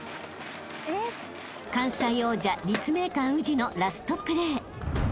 ［関西王者立命館宇治のラストプレー］